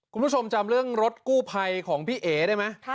คุณผู้ชมจำเรื่องรถกู้ภัยของพี่เอ๋ได้ไหม